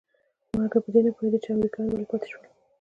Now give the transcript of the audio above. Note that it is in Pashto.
مګر په دې نه پوهېده چې امريکايان ولې پاتې شول.